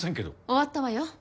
終わったわよ